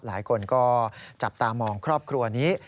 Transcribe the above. หลายคนก็จับตามองครอบครัวนี้